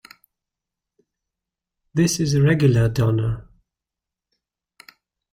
This is a regular donor.